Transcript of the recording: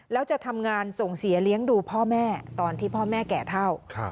แล้วจะทำงานส่งเสียเลี้ยงดูพ่อแม่ตอนที่พ่อแม่แก่เท่า